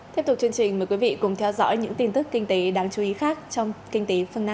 tiếp tục chương trình mời quý vị cùng theo dõi những tin tức kinh tế đáng chú ý khác trong kinh tế phương nam